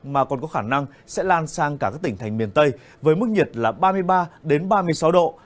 mà còn có khả năng sẽ lan sang cả các tỉnh thành miền tây với mức nhiệt là ba mươi ba ba mươi sáu độ